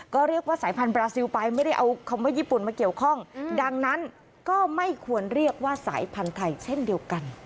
ก็เรียกว่าสายพันธบราซิลไปไม่ได้เอาคำว่าญี่ปุ่นมาเกี่ยวข้องดังนั้นก็ไม่ควรเรียกว่าสายพันธุ์ไทยเช่นเดียวกัน